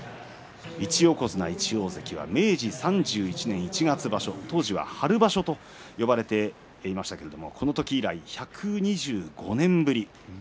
１横綱１大関は明治３年一月場所当時は春場所と呼ばれていましたけれどもこのとき以来１２５年ぶり。